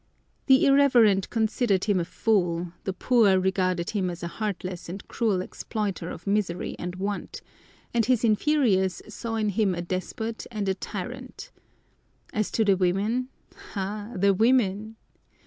The irreverent considered him a fool, the poor regarded him as a heartless and cruel exploiter of misery and want, and his inferiors saw in him a despot and a tyrant. As to the women, ah, the women!